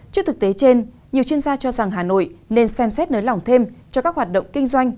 trước thực tế trên nhiều chuyên gia cho rằng hà nội nên xem xét nới lỏng thêm cho các hoạt động kinh doanh